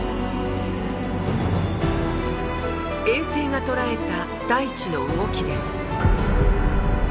衛星が捉えた大地の動きです。